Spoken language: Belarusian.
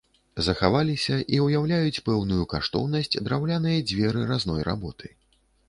Захаваліся і ўяўляюць пэўную каштоўнасць драўляныя дзверы разной работы.